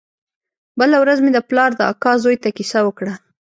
بله ورځ مې د پلار د اکا زوى ته کيسه وکړه.